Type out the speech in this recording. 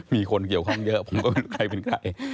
มีคนเกี่ยวข้องเยอะผมก็ไม่รู้ใครเป็นใคร